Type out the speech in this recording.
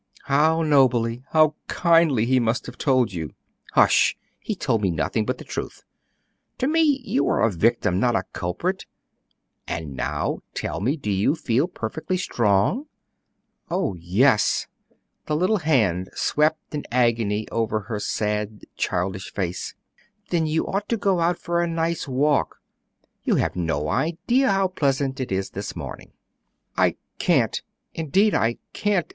"How nobly, how kindly he must have told you!" "Hush! He told me nothing but the truth. To me you are a victim, not a culprit. And now, tell me, do you feel perfectly strong?" "Oh, yes." The little hand swept in agony over her sad, childish face. "Then you ought to go out for a nice walk. You have no idea how pleasant it is this morning." "I can't, indeed I can't!